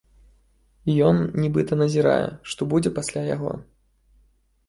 Ён нібыта назірае, што будзе пасля яго.